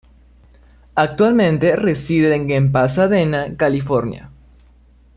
Actualmente residen en Pasadena, California.